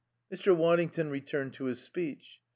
Mr. Waddington returned to his speech.